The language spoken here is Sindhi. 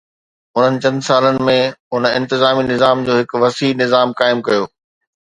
انهن چند سالن ۾ هن انتظامي نظام جو هڪ وسيع نظام قائم ڪيو.